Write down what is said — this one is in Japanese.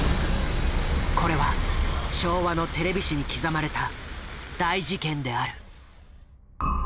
これは昭和のテレビ史に刻まれた大事件である。